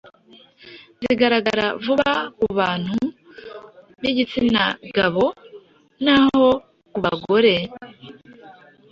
zigaragara vuba ku bantu b’igitsina gabo naho ku bagore,